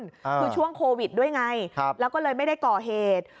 คือช่วงโควิดด้วยไงแล้วก็เลยไม่ได้ก่อเหตุ